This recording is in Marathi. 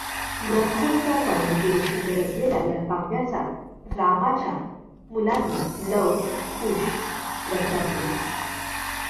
ग्रंथानुसार वाल्मीकी ऋषींनी रचलेल्या या काव्याचा रामाच्या मुलांनी लव कुश प्रचार केला.